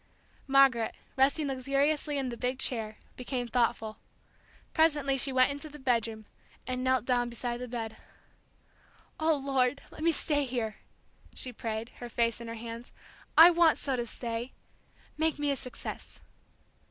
Margaret, resting luxuriously in the big chair, became thoughtful; presently she went into the bedroom, and knelt down beside the bed. "O Lord, let me stay here," she prayed, her face in her hands. "I want so to stay make me a success!"